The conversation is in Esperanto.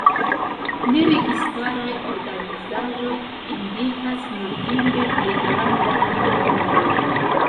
Neregistaraj organizaĵoj indikas notinde pli grandajn nombrojn.